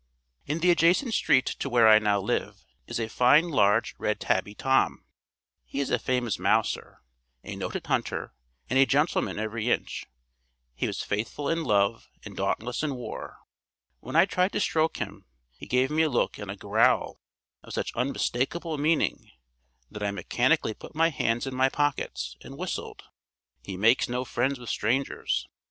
In the adjacent street to where I now live, is a fine large red tabby Tom. He is a famous mouser, a noted hunter, and a gentleman every inch. He was faithful in love and dauntless in war. When I tried to stroke him, he gave me a look and a growl of such unmistakable meaning, that I mechanically put my hands in my pockets and whistled. He makes no friends with strangers.